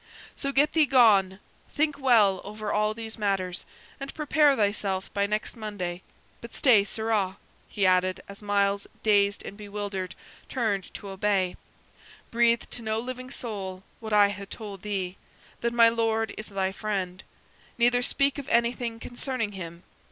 So get thee gone, think well over all these matters, and prepare thyself by next Monday. But stay, sirrah," he added, as Myles, dazed and bewildered, turned to obey; "breathe to no living soul what I ha' told thee that my Lord is thy friend neither speak of anything concerning him.